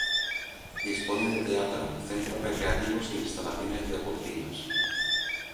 Dispone de teatro, centros recreativos e instalaciones deportivas.